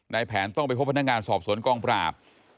แผนต้องไปพบพนักงานสอบสวนกองปราบ